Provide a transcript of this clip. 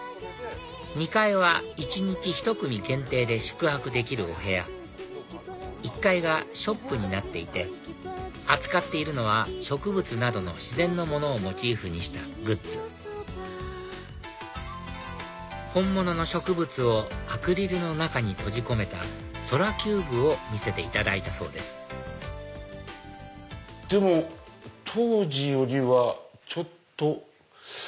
２階は１日１組限定で宿泊できるお部屋１階がショップになっていて扱っているのは植物などの自然のものをモチーフにしたグッズ本物の植物をアクリルの中に閉じ込めたＳｏｌａｃｕｂｅを見せていただいたそうですでも当時よりはちょっと。